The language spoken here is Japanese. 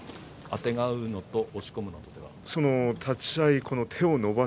あてがうのと押し込むのとでは。